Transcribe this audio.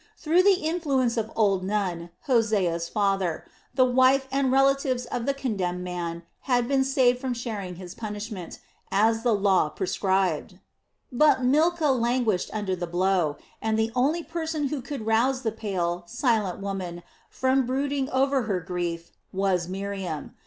Through the influence of old Nun, Hosea's father, the wife and relatives of the condemned man had been saved from sharing his punishment, as the law prescribed. But Milcah languished under the blow, and the only person who could rouse the pale, silent woman from brooding over her grief was Miriam.